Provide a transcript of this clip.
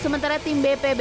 sementara tim bpb